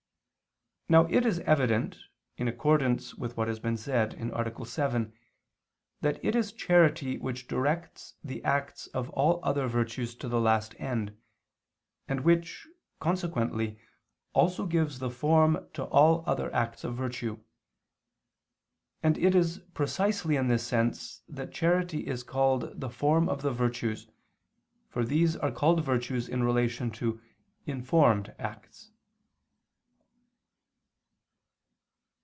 Now it is evident, in accordance with what has been said (A. 7), that it is charity which directs the acts of all other virtues to the last end, and which, consequently, also gives the form to all other acts of virtue: and it is precisely in this sense that charity is called the form of the virtues, for these are called virtues in relation to "informed" acts.